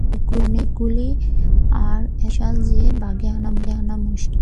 অনেকগুলি, আর এত বিশাল যে বাগে আনা মুস্কিল।